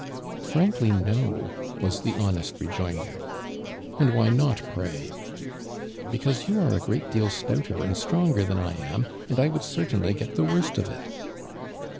•• Krankly — no !" was the honest rejoin der. •' And why not pr<ay?" •• Because you are a great cleal stouterand stronger than I am, and I would certainly get the worst of it."